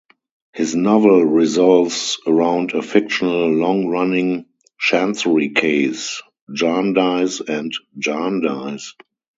His novel revolves around a fictional long-running Chancery case, "Jarndyce and Jarndyce".